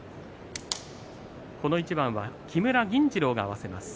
この一番は木村銀治郎が合わせます。